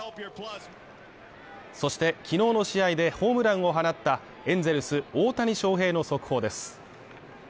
そして、昨日の試合でホームランを放ったエンゼルス大谷翔平の速報です。